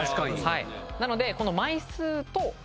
なので。